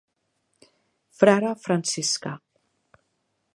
Frare franciscà.